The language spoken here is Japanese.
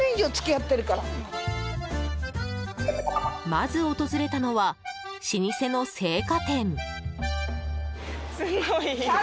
まず訪れたのは老舗の青果店。